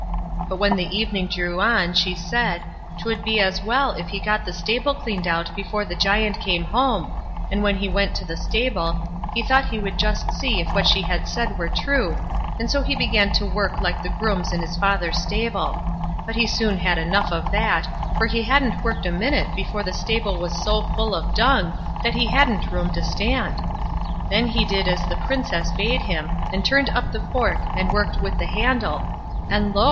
But when the evening drew on, she said "twould be as well if he got the stable cleaned out before the Giant came home; and when he went to the stable, he thought he would just see if what she had said were true, and so he began to work like the grooms in his father's stable; but he soon had enough of that, for he hadn't worked a minute before the stable was so full of dung that he hadn't room to stand. Then he did as the Princess bade him, and turned up the fork and worked with the handle, and lo!